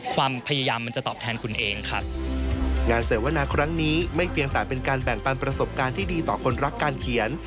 ความพยายามมันจะตอบแทนคุณเองค่ะงานเสวนาครั้งนี้ไม่เพียงแต่เป็นการแบ่งปันประสบการณ์ที่ดีต่อคนรักการเขียน